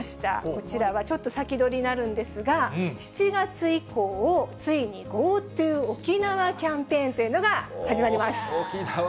こちらはちょっと先取りになるんですが、７月以降、ついにＧｏＴｏおきなわキャンペーンというのが始まります。